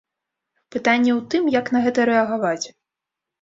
Пытанне ў тым, як на гэта рэагаваць.